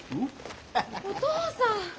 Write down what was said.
お父さん！